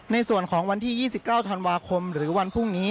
ในส่วนของวันที่๒๙ธันวาคมหรือวันพรุ่งนี้